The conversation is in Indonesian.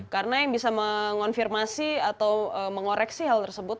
karena yang bisa mengonfirmasi atau mengoreksi hal tersebut